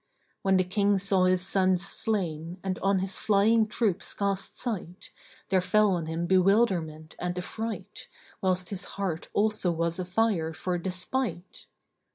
When the King saw his sons slain and on his flying troops cast sight, there fell on him bewilderment and affright, whilst his heart also was a fire for despight.